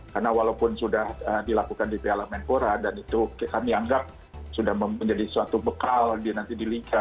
karena walaupun sudah dilakukan di piala menkora dan itu kami anggap sudah menjadi suatu bekal nanti di liga